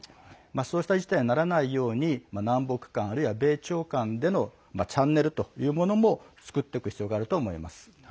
そういう事態にならないように南北間、あるいは米朝間でのチャンネルというものも作っておく必要があると思います。